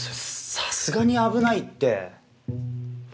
さすがに危ないって。